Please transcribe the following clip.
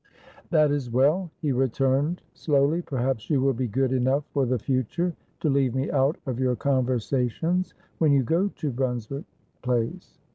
"That is well," he returned, slowly. "Perhaps you will be good enough for the future to leave me out of your conversations when you go to Brunswick Place.